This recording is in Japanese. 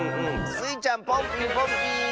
スイちゃんポンピンポンピーン！